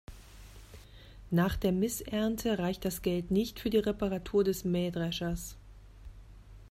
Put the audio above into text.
Nach der Missernte reicht das Geld nicht für die Reparatur des Mähdreschers.